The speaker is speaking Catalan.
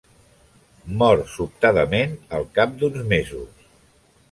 Mor sobtadament al cap d'uns mesos.